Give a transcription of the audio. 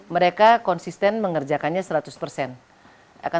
mereka konsisten mengerjakannya seratus